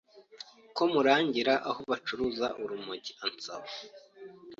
ko murangira aho bacuruza urumogi ansaba